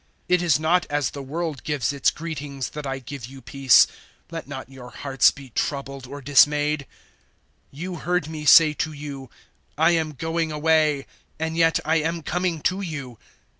It is not as the world gives its greetings that I give you peace. Let not your hearts be troubled or dismayed. 014:028 "You heard me say to you, `I am going away, and yet I am coming to you.'